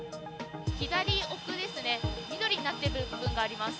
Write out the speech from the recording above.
左奥ですね、緑になっている部分があります。